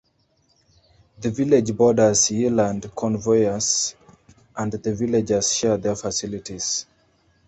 The village borders Yealand Conyers and the villages share their facilities.